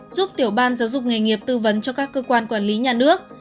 giúp tiểu ban giáo dục nghề nghiệp tư vấn cho các cơ quan quản lý nhà nước